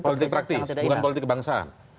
politik praktis bukan politik kebangsaan